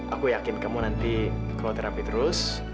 aku yakin kamu nanti ke kru terapi terus